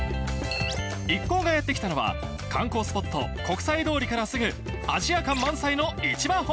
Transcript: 一行がやって来たのは観光スポットの国際通りからすぐアジア感満載の市場